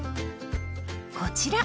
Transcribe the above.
こちら！